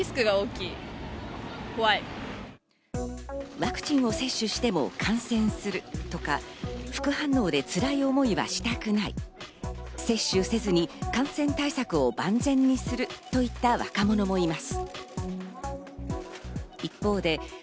ワクチンを接種しても感染するとか、副反応でつらい思いはしたくない、接種せずに感染対策を万全にするといった若者もいます。